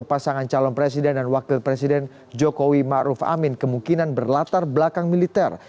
pasangan calon presiden dan wakil presiden jokowi ⁇ maruf ⁇ amin kemungkinan berlatar belakang militer